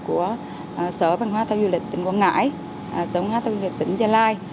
của sở văn hóa thể thao du lịch tỉnh quảng ngãi sở văn hóa thể thao du lịch tỉnh gia lai